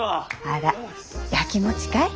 あらやきもちかい？